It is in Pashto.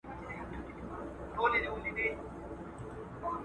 لا پر ونو باندي نه ووګرځېدلی ..